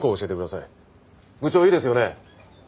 部長いいですよね？